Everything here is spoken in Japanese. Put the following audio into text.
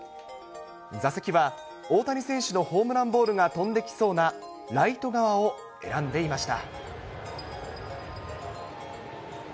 座席は大谷選手のホームランボールが飛んできそうなライト側を選んでいました。